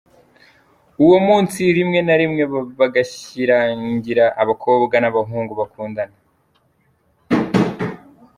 Uwo munsi rimwe narimwe bagashyingira abakobwa n’abahungu bakundana.